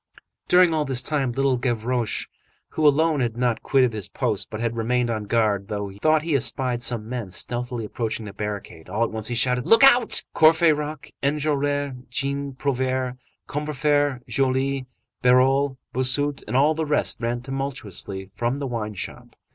During all this time, Little Gavroche, who alone had not quitted his post, but had remained on guard, thought he espied some men stealthily approaching the barricade. All at once he shouted:— "Look out!" Courfeyrac, Enjolras, Jean Prouvaire, Combeferre, Joly, Bahorel, Bossuet, and all the rest ran tumultuously from the wine shop.